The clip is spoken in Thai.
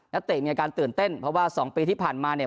เตะมีอาการตื่นเต้นเพราะว่า๒ปีที่ผ่านมาเนี่ย